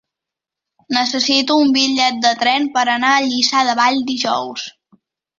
Necessito un bitllet de tren per anar a Lliçà de Vall dijous.